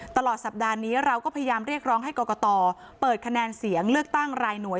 ตลอดสัปดาห์นี้เราก็พยายามเรียกร้องให้กตเลือกตั้งรายหน่วย